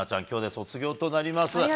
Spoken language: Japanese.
今日で卒業となります。